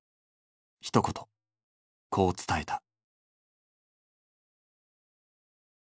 ひと言こう伝えた。